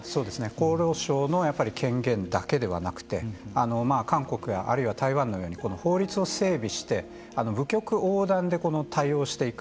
厚生労働省の権限だけではなくて韓国や台湾のように法律を整備して部局横断で対応をしていく。